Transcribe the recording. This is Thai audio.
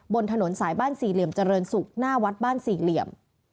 บนถนนสายบ้านสี่เหลี่ยมเจริญศุกร์หน้าวัดบ้านสี่เหลี่ยม